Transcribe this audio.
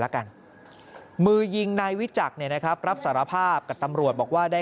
แล้วกันมือยิงนายวิจักรเนี่ยนะครับรับสารภาพกับตำรวจบอกว่าได้